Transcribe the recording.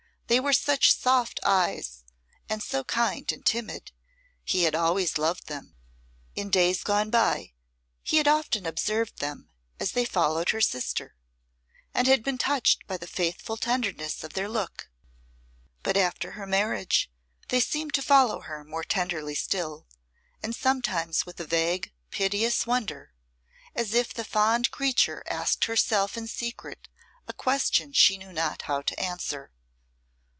They were such soft eyes and so kind and timid he had always loved them. In days gone by he had often observed them as they followed her sister, and had been touched by the faithful tenderness of their look; but after her marriage they seemed to follow her more tenderly still, and sometimes with a vague, piteous wonder, as if the fond creature asked herself in secret a question she knew not how to answer.